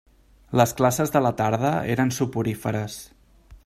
Les classes de la tarda eren soporíferes.